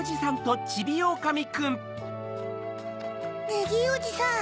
ネギーおじさん。